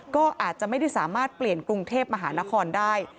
ก็อาจจะไม่ได้สามารถเปลี่ยนกรุงเทพมหานครได้